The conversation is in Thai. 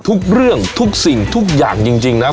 ทุกเรื่องทุกสิ่งทุกอย่างจริงนะ